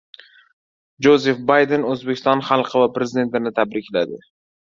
Jozef Bayden O‘zbekiston xalqi va prezidentini tabrikladi